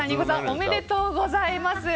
おめでとうございます。